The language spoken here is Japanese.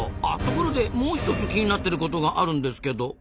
あところでもう一つ気になってることがあるんですけど。